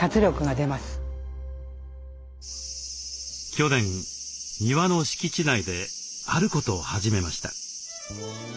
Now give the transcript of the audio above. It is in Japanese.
去年庭の敷地内であることを始めました。